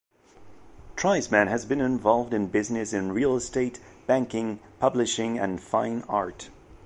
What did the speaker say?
Triesman has been involved in business in real estate, banking, publishing and fine art.